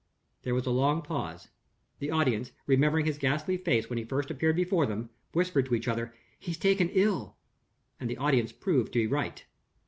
There was a long pause. The audience remembering his ghastly face when he first appeared before them whispered to each other, "He's taken ill"; and the audience proved to be right.